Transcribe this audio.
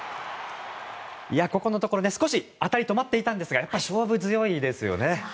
ここのところ少し値が止まっていたんですがやっぱり勝負強いですよね。